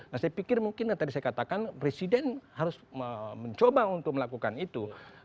nah saya pikir mungkin yang tadi saya katakan presiden harus mencoba untuk melakukan itu